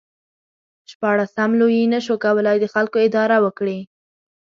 شپاړسم لویي نشو کولای د خلکو اداره وکړي.